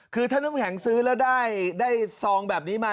คือถ้าน้ำแข็งซื้อแล้วได้ซองแบบนี้มา